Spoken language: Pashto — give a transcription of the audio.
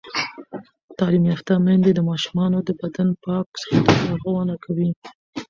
تعلیم یافته میندې د ماشومانو د بدن پاک ساتلو لارښوونه کوي.